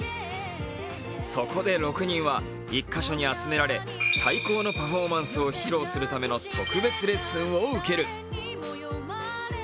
そこで６人は１か所に集められ、最高のパフォーマンスを披露するための特別レッスンを受ける。